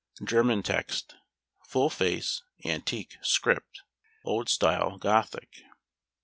German Text. Full face, Antique, Script. Old Style, GOTHIC.